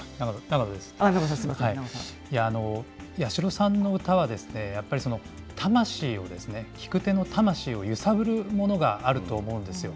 八代さんの歌は、やっぱり、魂を、聴くての魂を揺さぶるものがあると思うんですよ。